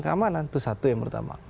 keamanan itu satu yang pertama